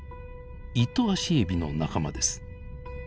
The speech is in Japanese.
イトアシエビの仲間です。